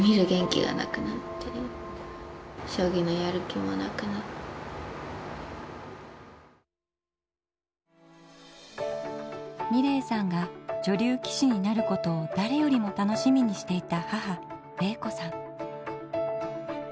ところがそんなやさき美礼さんが女流棋士になることをだれよりも楽しみにしていた母麗子さん。